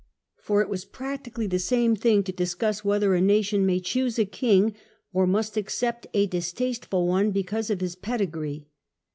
For it was practically the same thing to discuss whether a nation may choose a king or must accept a distasteful one because of his pedigree.